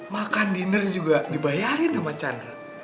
makan dinner juga dibayarin sama chandra